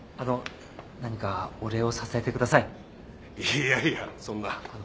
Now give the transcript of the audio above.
いやいやそんな